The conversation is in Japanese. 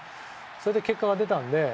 それで結果が出たんで。